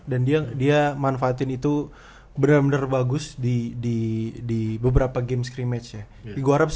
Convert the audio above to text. dan dia dia manfaatin itu benar benar bagus di di di beberapa game screen match ya gue harap